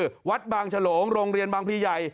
ก็คือวัดบางฉโหลงโรงเรียนบางพรีใหญ่